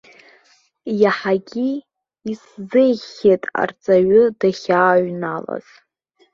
Иаҳагьы исзеиӷьхеит арҵаҩы дахьааҩналаз.